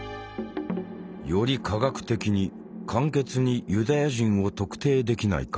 「より科学的に簡潔にユダヤ人を特定できないか」。